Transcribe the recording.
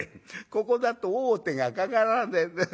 「ここだと王手がかからねえんだ。